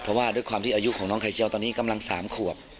เพราะว่าด้วยความที่อายุของน้องไข่เจียวตอนนี้กำลัง๓ขวบ